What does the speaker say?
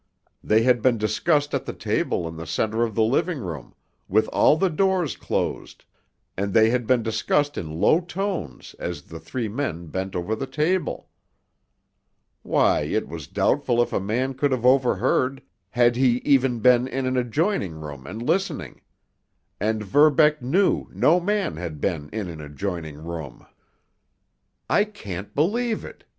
They had been discussed at the table in the center of the living room, with all the doors closed, and they had been discussed in low tones as the three men bent over the table. Why, it was doubtful if a man could have overheard, had he even been in an adjoining room and listening—and Verbeck knew no man had been in an adjoining room. "I can't believe it!"